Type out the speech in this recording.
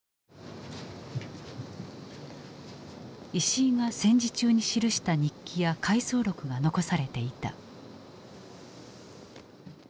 石井が戦時中に記した日記や回想録が残されていた。